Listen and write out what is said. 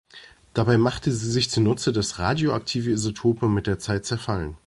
Dabei macht sie sich zunutze, dass radioaktive Isotope mit der Zeit zerfallen.